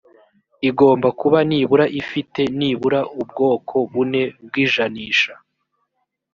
igomba kuba nibura ifite nibura ubwoko bune bw ijanisha